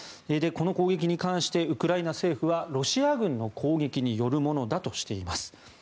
この攻撃に関してウクライナ政府はロシア軍の攻撃によるものだとしています。